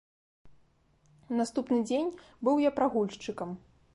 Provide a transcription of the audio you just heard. У наступны дзень быў я прагульшчыкам.